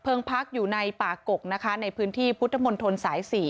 เพลิงพลักษณ์อยู่ในป่ากกกในพื้นที่พุทธมณฑลสาย๔